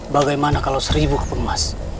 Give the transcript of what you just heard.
bagaimana kalau seribu keping emas